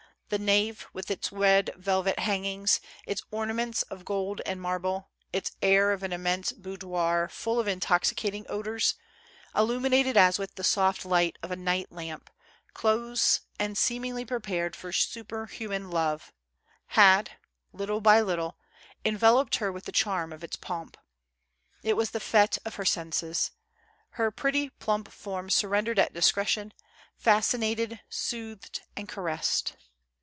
The nave, with its red velvet hangings, its ornaments of gold and marble, its air of an immense boudoir full of intoxicating odors, illuminated as with the soft light of a night lamp, close and seemingly prepared for superhuman love, had, little by little, enveloped her with the charm of its pomp. It was the fete of her senses. Her pretty, plump form surrendered at discretion, fascinated, soothed and ca ressed.